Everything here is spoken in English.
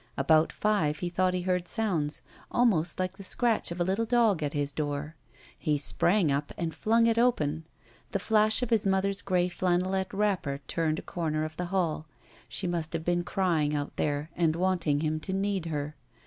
About five he thought he heard sounds, ahnost like the scratch of a little dog at his door. He sprang up and fituig it open. The fash of hi^ mother's gray flannelette wrapper turned a comer of the hall. She must have been crying out there and wanting him to need her.